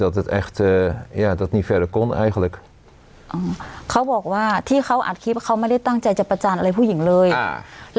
ให้ตัวสุดแล้วมีความรู้ใจให้รู้ได้ครับ